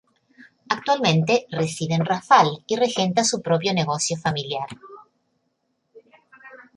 Actualmente reside en Rafal y regenta su propio negocio familiar.